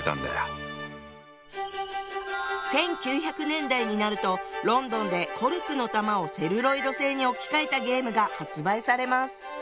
１９００年代になるとロンドンでコルクの球をセルロイド製に置き換えたゲームが発売されます。